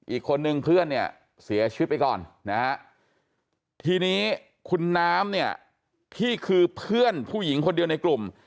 อีกคนนึงเพื่อนเนี่ยเสียชีวิตไปก่อนนะฮะทีนี้คุณน้ำเนี่ยที่คือเพื่อนผู้หญิงคนเดียวในกลุ่ม